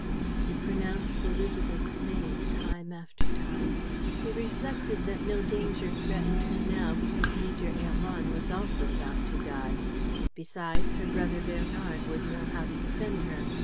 He pronounced Élisabeth's name time after time. He reflected that no danger threatened her now, because Major Hermann was also about to die. Besides, her brother Bernard would know how to defend her.